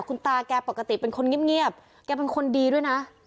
คุณตาแกปกติเป็นคนเงียบแกเป็นคนดีด้วยนะ